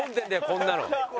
こんなの。